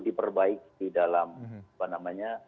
diperbaiki dalam apa namanya